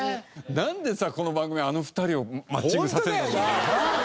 なんでさこの番組あの２人をマッチングさせるんだろうね。